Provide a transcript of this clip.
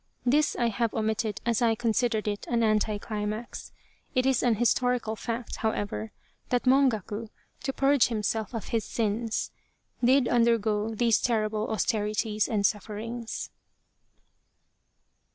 This I have omitted as I considered it an anti climax. It is an historical fact, however, that Mongaku, to purge himself of his sins, did undergo these terrible austerities and sufferings.